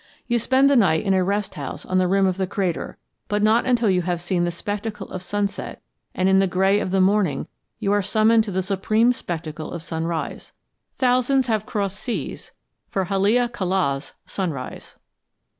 You spend the night in a rest house on the rim of the crater, but not until you have seen the spectacle of sunset; and in the gray of the morning you are summoned to the supreme spectacle of sunrise. Thousands have crossed seas for Haleakala's sunrise.